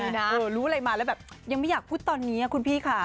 รู้อะไรมาแล้วแบบยังไม่อยากพูดตอนนี้คุณพี่ค่ะ